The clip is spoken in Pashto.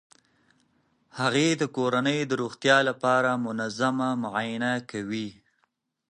هغې د کورنۍ د روغتیا لپاره منظمه معاینه کوي.